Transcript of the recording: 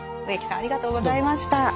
植木さんありがとうございました。